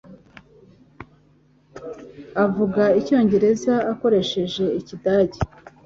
Avuga Icyongereza akoresheje Ikidage.